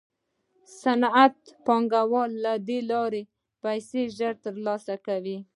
صنعتي پانګوال له دې لارې پیسې ژر ترلاسه کوي